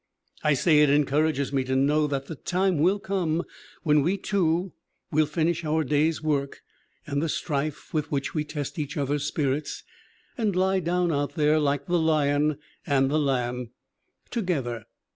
I say it encourages me to know that the time will come when we, too, will finish our day's work and the strife with which we test each other's spirits, and lie down out there like the lion and the lamb, together.